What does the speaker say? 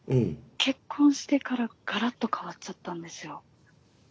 結婚してからガラッと変わっちゃったんですよ。